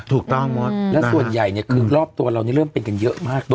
ถูกต้องหมดแล้วส่วนใหญ่เนี่ยคือรอบตัวเรานี่เริ่มเป็นกันเยอะมากด้วย